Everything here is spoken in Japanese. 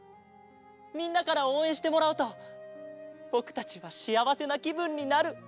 みんなからおうえんしてもらうとぼくたちはしあわせなきぶんになる。